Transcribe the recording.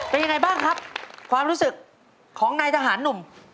เป็นยังไงบ้างครับความรู้สึกของนายทหารหนุ่ม